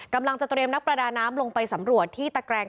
กำลังจะเตรียมนักประดาน้ำลงไปสำรวจที่ตะแกรง